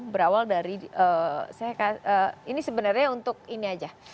berawal dari ini sebenarnya untuk ini aja